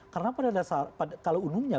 karena pada dasar kalau unumnya